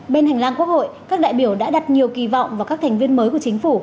bên hành lang quốc hội các đại biểu đã đặt nhiều kỳ vọng vào các thành viên mới của chính phủ